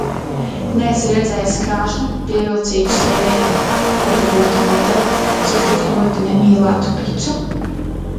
Neesi redzējis krāšņu, pievilcīgu sievieti, kura būtu modele, ja tik ļoti nemīlētu picu?